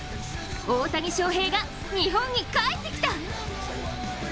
大谷翔平が日本に帰ってきた。